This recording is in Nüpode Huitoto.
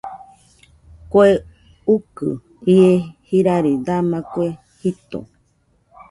Kue ukɨ ie jirari dama kue jito.